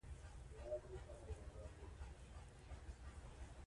پنیر د سهار په ناشته کې خوړل کیږي.